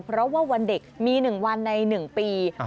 เพราะว่าวันเด็กมี๑วันใน๑ปี